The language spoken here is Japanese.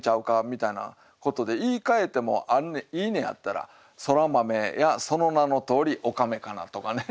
みたいなことで言い換えてもいいねやったら「そら豆やその名の通りおかめかな」とかね。